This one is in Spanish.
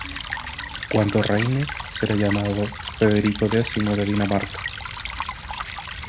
Cuando reine, será llamado Federico X de Dinamarca.